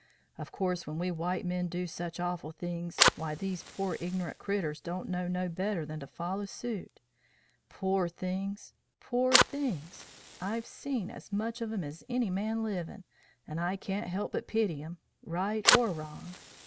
Of course when we white men do sich awful things, why these pore ignorant critters don't know no better than to foller suit. Pore things! Pore things! I've seen as much of 'em as any man livin', and I can't help but pity 'em, right or wrong!